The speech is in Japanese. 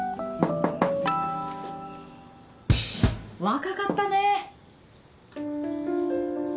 若かったね。